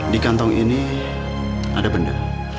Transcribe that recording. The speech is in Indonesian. di kantong ini ada benda